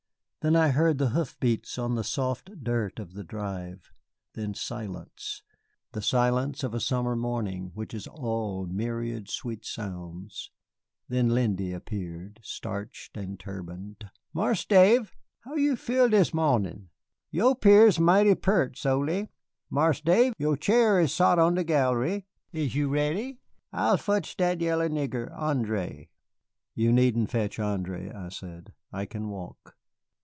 Then I heard the hoof beats on the soft dirt of the drive. Then silence, the silence of a summer morning which is all myriad sweet sounds. Then Lindy appeared, starched and turbaned. "Marse Dave, how you feel dis mawnin'? Yo' 'pears mighty peart, sholy. Marse Dave, yo' chair is sot on de gallery. Is you ready? I'll fotch dat yaller nigger, André." "You needn't fetch André," I said; "I can walk."